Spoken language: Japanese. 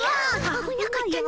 あぶなかったの。